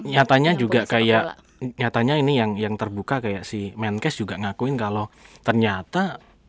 nyatanya juga kayak nyatanya ini yang terbuka kayak si menkes juga ngakuin kalau ternyata